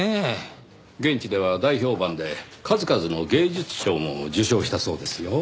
現地では大評判で数々の芸術賞も受賞したそうですよ。